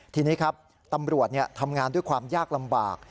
ทีนี้ครับตำรวจทำงานด้วยความยากลำบาก